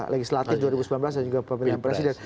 legislatif dua ribu sembilan belas dan juga pemilihan presiden